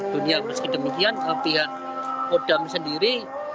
dunia meski demikian tapi